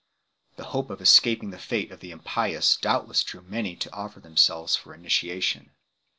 The hope of escaping the fate of the impious doubtless drew many to offer themselves for initiation.